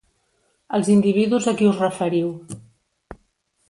Els individus a qui us referiu.